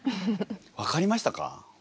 分かりましたか？